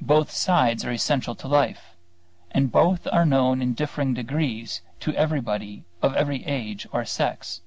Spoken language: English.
Both sides are essential to life; and both are known in differing degrees to everybody of every age or sex.